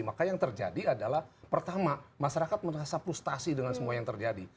maka yang terjadi adalah pertama masyarakat merasa frustasi dengan semua yang terjadi